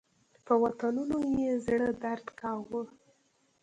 په وطنونو یې زړه درد کاوه.